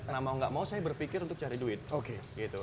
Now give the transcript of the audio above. nah mau gak mau saya berpikir untuk cari duit gitu